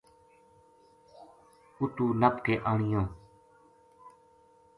اُتو نپ کے آنیو